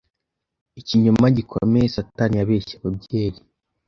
ikinyoma gikomeye Satani yabeshye ababyeyi